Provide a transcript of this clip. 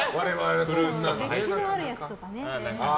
歴史があるやつとかね。